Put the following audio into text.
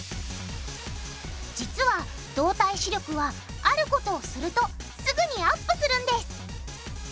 実は動体視力はあることをするとすぐにアップするんです。